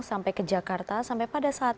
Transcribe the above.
sampai ke jakarta sampai pada saat